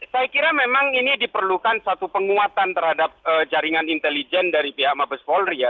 saya kira memang ini diperlukan satu penguatan terhadap jaringan intelijen dari pihak mabes polri ya